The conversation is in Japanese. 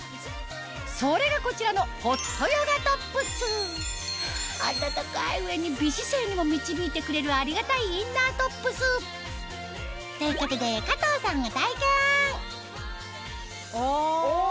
それがこちらの暖かい上に美姿勢にも導いてくれるありがたいインナートップスということで加藤さんがあ。